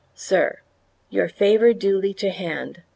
Sir, Your favour duly to hand.